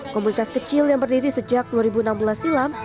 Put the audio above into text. komunitas kecil yang berdiri sejak dua ribu enam belas silam